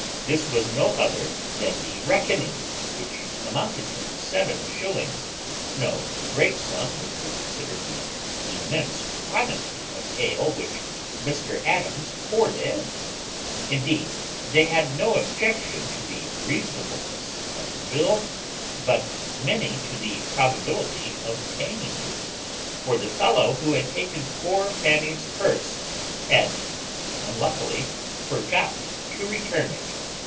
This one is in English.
This was no other than the reckoning, which amounted to seven shillings; no great sum if we consider the immense quantity of ale which Mr Adams poured in. Indeed, they had no objection to the reasonableness of the bill, but many to the probability of paying it; for the fellow who had taken poor Fanny's purse had unluckily forgot to return it.